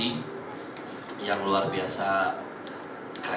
ini saya memang harusnya mematuhi dia